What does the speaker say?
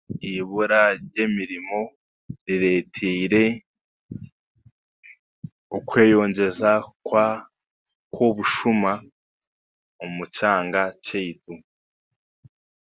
Eibura ry'emirimo rireeteire okweyongyeza kwa kw'obushuma omu kyanga kyaitu.